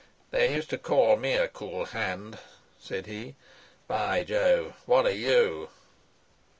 "They used to call me a cool hand," said he. "By Jove, what are you?"